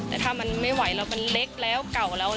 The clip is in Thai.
แต่ถ้ามันไม่ไหวแล้วมันเล็กแล้วเก่าแล้ว